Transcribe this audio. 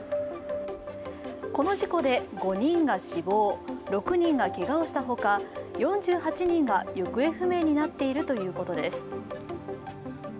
この事故で５人が死亡、６人がけがをしたほか４８人が行方不明になっているということです。